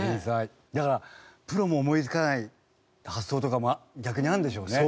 だからプロも思いつかない発想とかも逆にあるんでしょうね